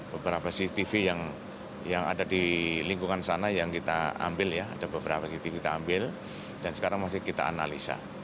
beberapa cctv yang ada di lingkungan sana yang kita ambil ya ada beberapa cctv kita ambil dan sekarang masih kita analisa